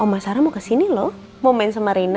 oma sarah mau kesini loh mau main sama rina